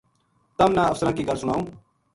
تَم نا افسراں کی گل سناوں